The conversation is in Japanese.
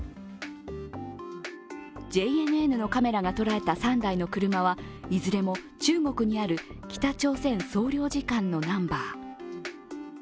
ＪＮＮのカメラが捉えた３台の車はいずれも中国にある北朝鮮総領事館のナンバー。